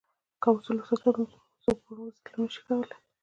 که اصول وساتو، څوک پر موږ ظلم نه شي کولای.